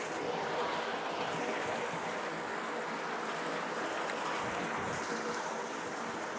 saya tidak berani minum karena